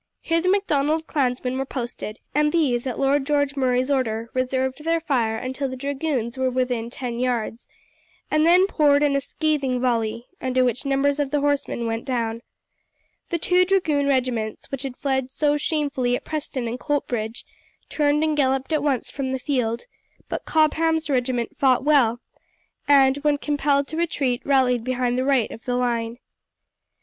Here the Macdonald clansmen were posted, and these, at Lord George Murray's order, reserved their fire until the dragoons were within ten yards, and then poured in a scathing volley, under which numbers of the horsemen went down. The two dragoon regiments, which had fled so shamefully at Preston and Coltbridge, turned and galloped at once from the field; but Cobham's regiment fought well, and when compelled to retreat rallied behind the right of the line.